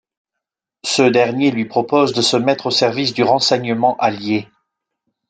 Ce dernier lui propose de se mettre au service du renseignement allié.